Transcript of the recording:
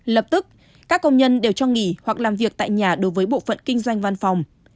lập tức các công nhân đều cho nghỉ hoặc làm việc tại nhà đối với bộ phận kinh doanh văn phòng